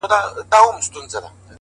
هغه خو دا گراني كيسې نه كوي!!